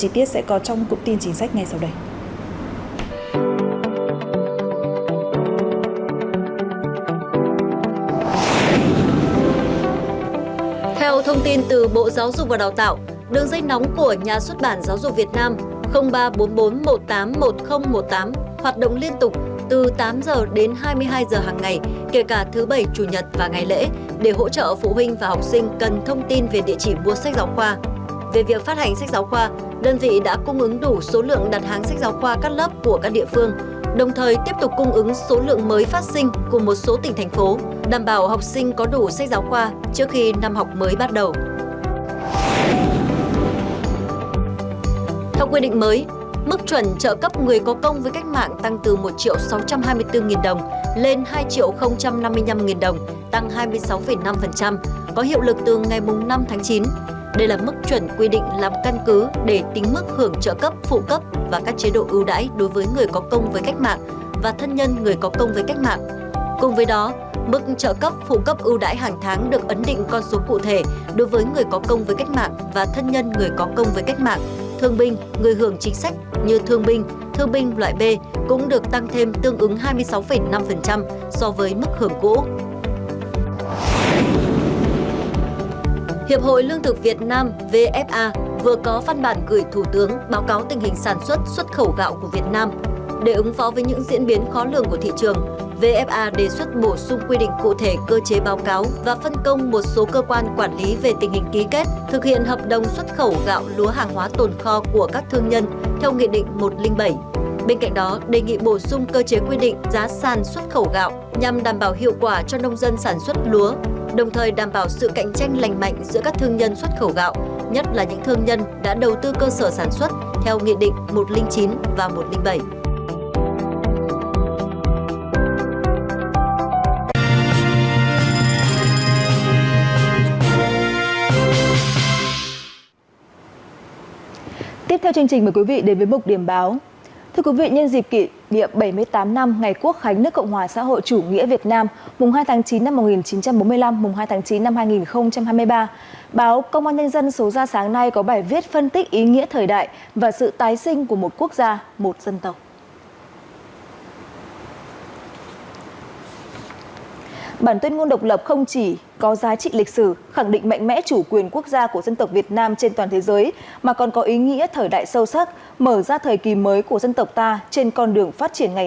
thưa quý vị theo quy định mới mức chuẩn trợ cấp người có công với cách mạng tăng từ một sáu trăm hai mươi bốn đồng lên hai năm mươi năm đồng tăng hai mươi sáu năm sẽ có hiệu lực từ ngày năm tháng chín và chi tiết sẽ có trong cụm tin chính sách ngay sau đây